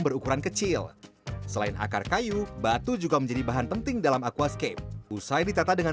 berukuran kecil selain akar kayu batu juga menjadi bahan penting dalam aquascape usai ditata dengan